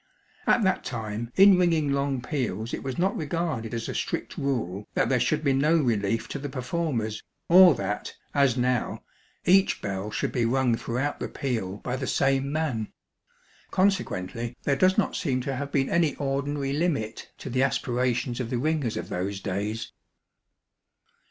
At that time, in ringing long peals it was not regarded as a strict rule that there should be no relief to the performers, or that, as now, each bell should be rung throughout the peal by the same man; consequently there does not seem to have been any ordinary limit to the aspirations of the ringers of those days.